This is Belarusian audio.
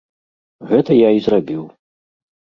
Гэта я і зрабіў.